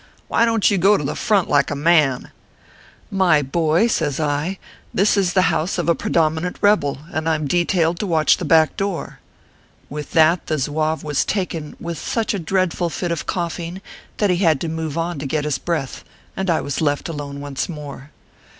Why don t you go to the front like a man ?"" My boy," says I, " this is the house of a pre dominant rebel, and I m detailed to watch the back door." With that the Zouave was taken with such a dread ful fit of coughing that he had to move on to get his breath, and I was left alone once more.